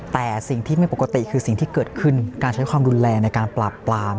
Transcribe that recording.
แต่สิ่งที่ไม่ปกติคือสิ่งที่เกิดขึ้นการใช้ความรุนแรงในการปราบปราม